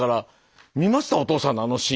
お父さんのあのシーン。